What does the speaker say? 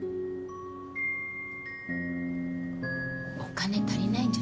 お金足りないんじゃないの？